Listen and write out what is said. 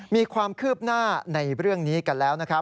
มีความคืบหน้าในเรื่องนี้กันแล้วนะครับ